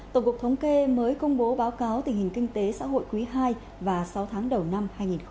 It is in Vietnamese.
tổng cục thống kê mới công bố báo cáo tình hình kinh tế xã hội quý ii và sáu tháng đầu năm hai nghìn hai mươi